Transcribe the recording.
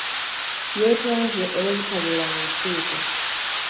Yeetonze olw'obutabeera mu lukiiko.